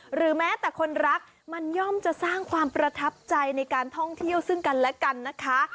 หรือแม้แต่คนรักมันย่อมจะสร้างความประทับใจในการท่องเที่ยวซึ่งกันและกันนะคะ